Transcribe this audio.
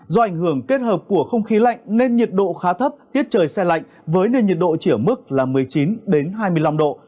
do ảnh hưởng kết hợp của không khí lạnh nên nhiệt độ khá thấp tiết trời xe lạnh với nền nhiệt độ chỉ ở mức một mươi chín hai mươi năm độ